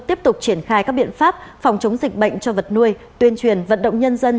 tiếp tục triển khai các biện pháp phòng chống dịch bệnh cho vật nuôi tuyên truyền vận động nhân dân